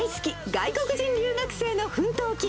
外国人留学生の奮闘記。